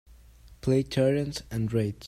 Play Tyrants And Wraiths